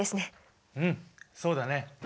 うんそうだね。